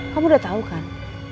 kamu udah tau kan